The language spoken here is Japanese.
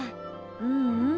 ううん。